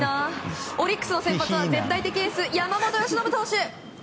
オリックスの先発は絶対的エース、山本由伸投手。